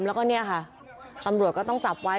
แล้วก็เนี่ยค่ะตำรวจก็ต้องจับไว้